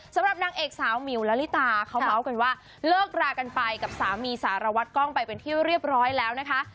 สำหรับนางเอกสาวมิวละลิตาเขาเมาส์กันว่าเลิกรากันไปกับสามีสารวัตรกล้องไปเป็นที่เรียบร้อยแล้วนะคะ